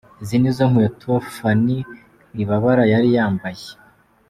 Izi nizo nkweto Phanny Wibabara yari yambaye.